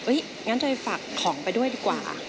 อุ๊ยอย่างนั้นจอยฝากของไปด้วยดีกว่า